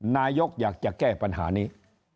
นายกอยากจะแก้ปัญหานี้